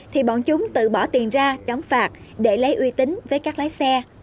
thì bọn chúng tự bỏ tiền ra đóng phạt để lấy uy tín với các lái xe